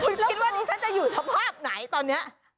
คุณคิดว่าดิฉันจะอยู่สภาพไหนตอนนี้